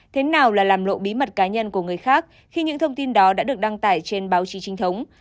thế nào là làm lộ bí mật cá nhân của người khác khi những thông tin đó đã được đăng tải trên báo chí trinh thống